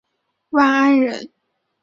万安人。